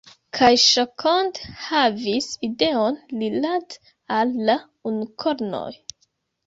Kaj Ŝokond havis ideon rilate al la unukornoj.